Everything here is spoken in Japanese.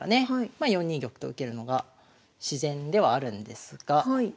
まあ４二玉と受けるのが自然ではあるんですが。